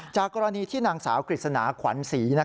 จากกรณีที่นางสาวกฤษณาขวัญศรี